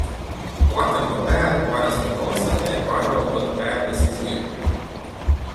Plakano pēdu parasti konstatē pārbaudot pēdas izliekumu.